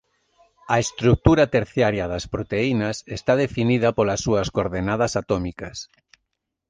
A estrutura terciaria das proteínas está definida polas súas coordenadas atómicas.